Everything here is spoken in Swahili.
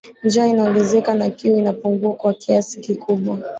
njaa inaongezeka na kiu inapungua kwa kiasi kikubwa